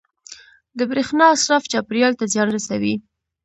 • د برېښنا اسراف چاپېریال ته زیان رسوي.